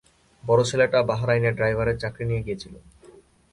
বড় ছেলেটা বাহরাইনে ড্রাইভারের চাকরি নিয়ে গিয়েছিল।